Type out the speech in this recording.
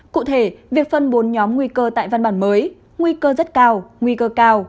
cụ thể việc phân bốn nhóm nguy cơ tại văn bản mới nguy cơ rất cao nguy cơ cao